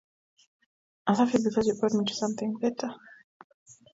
I love you because you brought me up to something better.